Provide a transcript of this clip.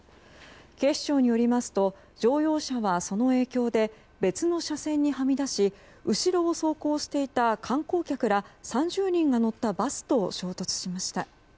警視庁によりますと乗用車はその影響で別の車線にはみ出し後ろを走行していた観光客ら３０人が乗ったバスと衝突しました。